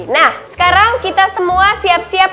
nah sekarang kita semua siap siap